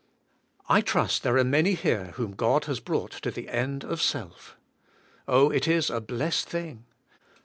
I trust there are many here whom God has broug^ht to the end of self. Oh, it is a blessed thing"!